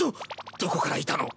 どこからいたの？